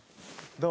どう？